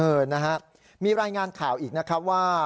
เออนะฮะมีรายงานข่าวอีกนะครับว่า